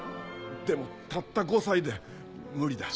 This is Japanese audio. でもたった５歳で無理だ。